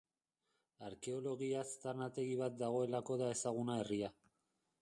Arkeologia-aztarnategi bat dagoelako da ezaguna herria.